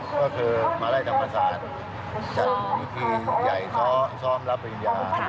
ก็คือมาไล่ธรรมศาสตร์จะมีทีมใหญ่ซ้อมรับปริญญา